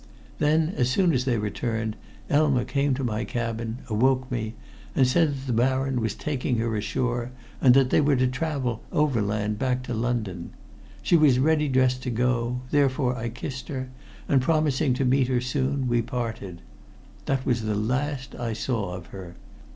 Then, as soon as they returned, Elma came to my cabin, awoke me, and said that the Baron was taking her ashore, and that they were to travel overland back to London. She was ready dressed to go, therefore I kissed her, and promising to meet her soon, we parted. That was the last I saw of her.